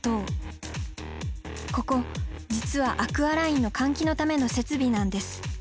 ここ実はアクアラインの換気のための設備なんです。